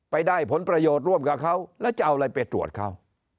ไปได้ผลประโยชน์ร่วมกับเขาแล้วจะเอาอะไรไปตรวจเขา